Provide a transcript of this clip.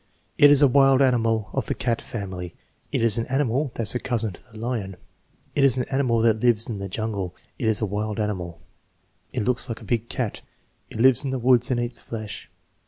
"It is a wild animal of the cat family." "It is an animal that's a cousin to the lion." "It is an animal that lives in the jungle." "It is a wild animal." "It looks like a big cat." "It lives in the woods and eats flesh."